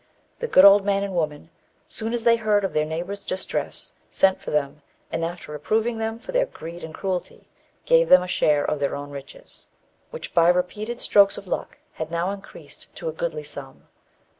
The good old man and woman, so soon as they heard of their neighbours' distress, sent for them, and, after reproving them for their greed and cruelty, gave them a share of their own riches, which, by repeated strokes of luck, had now increased to a goodly sum.